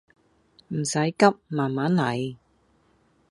唔使急慢慢嚟